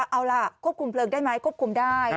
เอาล่ะควบคุมเพลิงได้ไหมควบคุมได้